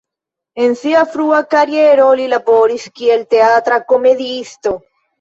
En sia frua kariero li laboris kiel teatra komediisto.